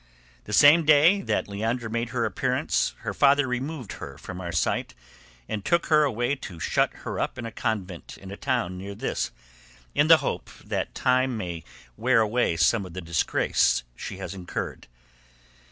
The same day that Leandra made her appearance her father removed her from our sight and took her away to shut her up in a convent in a town near this, in the hope that time may wear away some of the disgrace she has incurred.